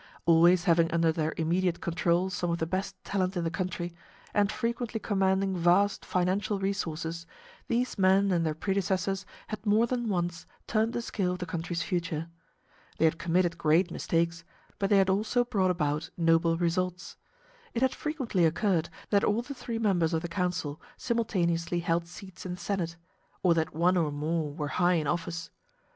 Always having under their immediate control some of the best talent in the country, and frequently commanding vast financial resources, these men and their predecessors had more than once turned the scale of the country's future. They had committed great mistakes, but they had also brought about noble results. It had frequently occurred that all the three members of the council simultaneously held seats in the senate, or that one or more were high in office.